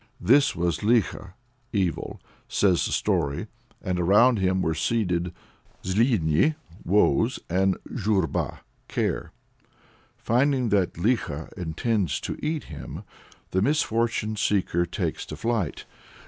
"This was Likho (Evil)," says the story, "and around him were seated Zluidni (Woes) and Zhurba (Care)." Finding that Likho intends to eat him, the misfortune seeker takes to flight.